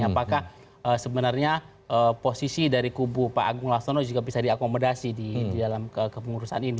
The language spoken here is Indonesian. apakah sebenarnya posisi dari kubu pak agung laksono juga bisa diakomodasi di dalam kepengurusan ini